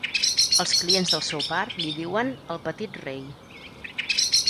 Els clients del seu bar li diuen “el petit rei”.